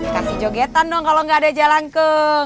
kasih jogetan dong kalau gak ada jaylangkung